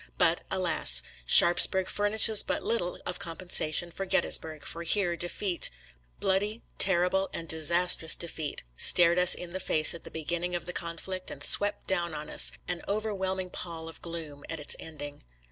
But, alas! Sharpsburg fur nishes but little of compensation for Gettysburg, for here defeat — bloody, terrible, and disastrous defeat — stared us in the face at the beginning 130 GETTYSBURG 131 of the conflict, and swept down on us, an over whelming pall of gloom, at its ending.